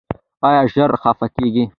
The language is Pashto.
ایا ژر خفه کیږئ؟